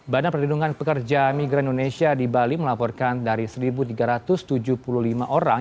badan perlindungan pekerja migran indonesia di bali melaporkan dari satu tiga ratus tujuh puluh lima orang